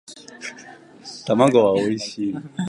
卵はおいしい